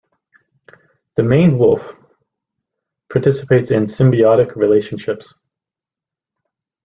The maned wolf participates in symbiotic relationships.